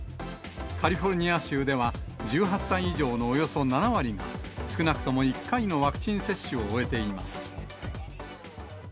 カリフォルニア州では１８歳以上のおよそ７割が、少なくとも１回のワクチン接種を終えています。